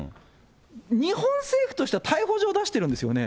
日本政府としては逮捕状出してるんですよね。